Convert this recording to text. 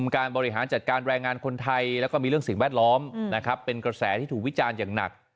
การบริหารจัดการแรงงานคนไทยแล้วก็มีเรื่องสิ่งแวดล้อมนะครับเป็นกระแสที่ถูกวิจารณ์อย่างหนัก